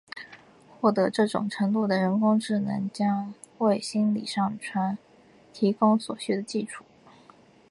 获得这种程度的人工智能将为心灵上传提供所需的基础。